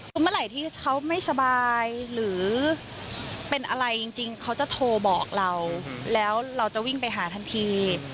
คือเมื่อไหร่ที่เขาไม่สบายหรือเป็นอะไรจริงเขาจะโทรบอกเราแล้วเราจะวิ่งไปหาทันที